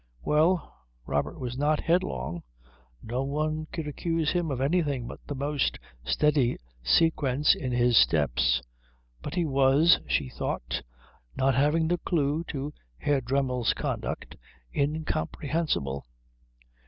Well, Robert was not headlong. No one could accuse him of anything but the most steady sequence in his steps. But he was, she thought, not having the clue to Herr Dremmel's conduct, incomprehensible.